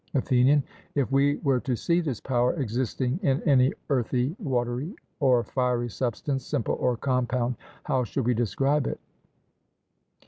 ATHENIAN: If we were to see this power existing in any earthy, watery, or fiery substance, simple or compound how should we describe it?